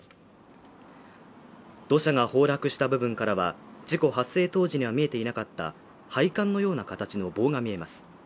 土砂が崩落した部分からは事故発生当時には見えていなかった配管のような形の棒が見えます